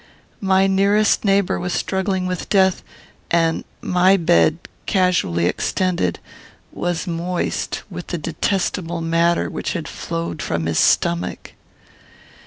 My nearest neighbour was struggling with death, and my bed, casually extended, was moist with the detestable matter which had flowed from his stomach.